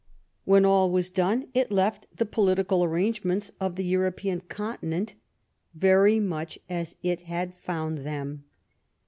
When all was done it left the political arrangements of the European continent very much as it had found them.